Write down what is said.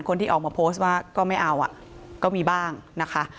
คนที่ออกมาโพสต์ว่าก็ไม่เอาอ่ะก็มีบ้างนะคะ